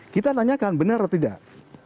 kita tanyakan benar atau tidak